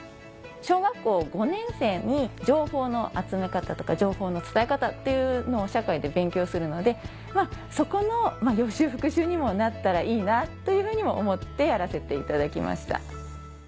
小学校５年生に情報の集め方とか情報の伝え方っていうのを社会で勉強するのでそこの予習復習にもなったらいいなというふうにも思ってやらせていただきました。